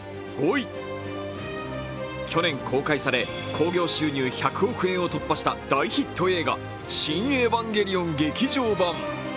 去年公開され、興行収入１００億円を突破した大ヒット映画「シン・エヴァンゲリオン劇場版」。